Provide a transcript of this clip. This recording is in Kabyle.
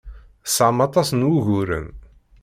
Tesɛam aṭas n wuguren.